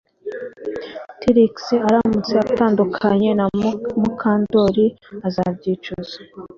Trix aramutse atandukanye na Mukandoli azabyicuza